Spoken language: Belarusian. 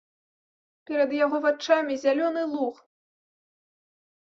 Перад яго вачамі зялёны луг.